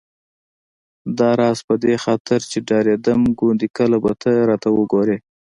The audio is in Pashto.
داراز په دې خاطر چې ډارېدم ګوندې کله به ته راته وګورې.